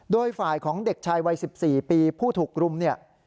โดยฝ่ายของเด็กชายวัย๑๔ปีผู้ถูกรุมเนี่ย